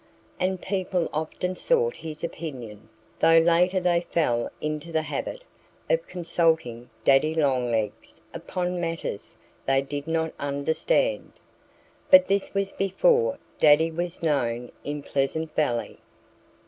And people often sought his opinion, though later they fell into the habit of consulting Daddy Longlegs upon matters they did not understand. But this was before Daddy was known in Pleasant Valley.